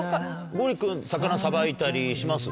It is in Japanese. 剛力君魚さばいたりします？